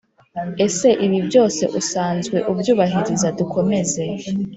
ese ibi byose usanzwe ubyubahiriza?dukomeze…